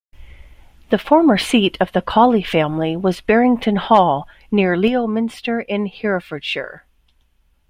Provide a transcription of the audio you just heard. The former seat of the Cawley family was Berrington Hall near Leominster in Herefordshire.